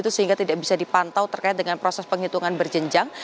sehingga tidak bisa dipantau terkait dengan proses penghitungan berjenjang